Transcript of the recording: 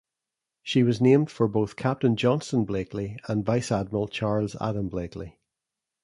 She was named for both Captain Johnston Blakeley and Vice Admiral Charles Adams Blakely.